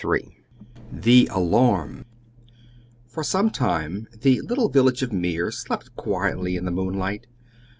III THE ALARM For some time the little village of Meer slept quietly in the moonlight.